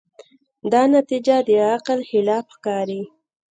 دا نتیجه د عقل خلاف ښکاري.